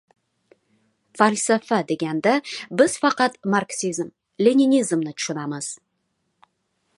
«Falsafa» deganda biz faqat marksizm-leninizmni tushunamiz.